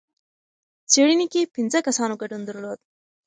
څېړنې کې پنځه کسانو ګډون درلود.